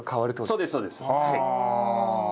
そうですそうです。はあ。